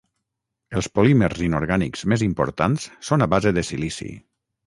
Els polímers inorgànics més importants són a base de silici.